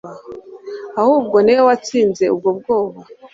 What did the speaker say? ahubwo niwe watsinze ubwo bwoba